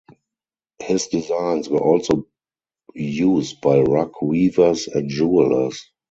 His designs were also used by rug weavers and jewelers.